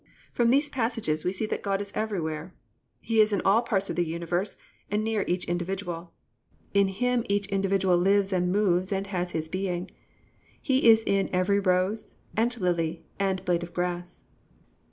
"+ From these passages we see that God is everywhere. He is in all parts of the universe and near each individual. In Him each individual lives and moves and has his being. He is in every rose and lily and blade of grass.